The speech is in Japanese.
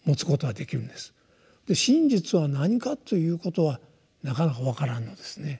真実は何かということはなかなか分からんのですね。